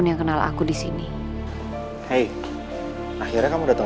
santai aja kali ngomong